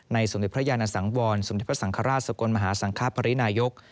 ในสมธิพระยานสังวรสมธิพระสังฆราชสกลมหาสังคาพรินายก